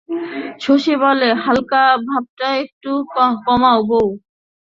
শশী বলে, হালকা ভাবটা একটু কমাও বৌ।